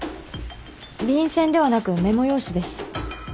便箋ではなくメモ用紙です。